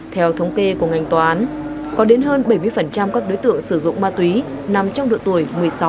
theo thống kê của ngành tòa án có đến hơn bảy mươi các đối tượng sử dụng ma túy nằm trong độ tuổi một mươi sáu